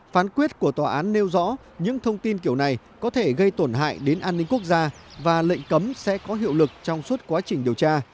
phán quyết của tòa án nêu rõ những thông tin kiểu này có thể gây tổn hại đến an ninh quốc gia và lệnh cấm sẽ có hiệu lực trong suốt quá trình điều tra